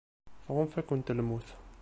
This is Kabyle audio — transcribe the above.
Tɣunfa-kem lmut.